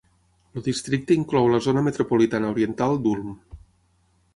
El districte inclou la zona metropolitana oriental d'Ulm.